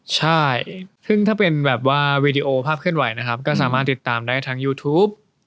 ใช่ซึ่งถ้าเป็นแบบว่าวีดีโอภาพเคลื่อนไหวนะครับก็สามารถติดตามได้ทางยูทูป